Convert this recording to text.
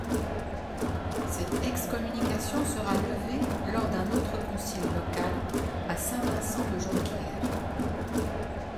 Cette excommunication sera levée lors d'un autre concile local à Saint-Vincent de Jonquières.